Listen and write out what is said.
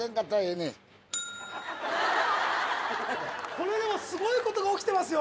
これでもすごい事が起きてますよ！